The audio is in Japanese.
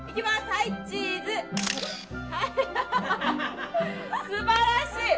はいチーズすばらしい！